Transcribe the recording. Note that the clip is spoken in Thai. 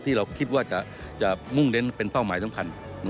ที่เราคิดว่าจะมุ่งเน้นเป็นเป้าหมายสำคัญ